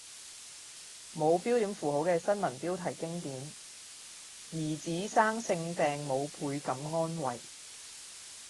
冇標點符號嘅新聞標題經典：兒子生性病母倍感安慰